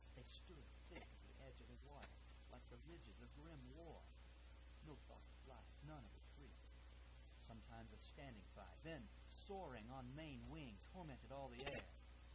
They stood thick at the edge o' the water like the ridges o' grim war; no thought o' flight, none of retreat. Sometimes a standing fight, then soaring on main wing tormented all the air.